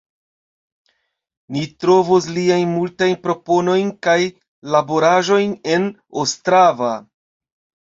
Ni trovos liajn multajn proponojn kaj laboraĵojn en Ostrava.